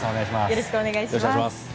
よろしくお願いします。